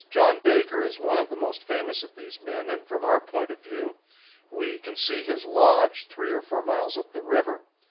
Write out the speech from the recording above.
John Baker is one of the most famous of these men, and from our point of view we can see his lodge, three or four miles up the river.